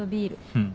うん。